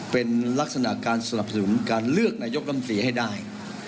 เป็นลักษณะการสนับสนุนการเลือกนายกรรมตรีให้ได้